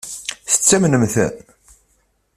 Tettamnem-ten?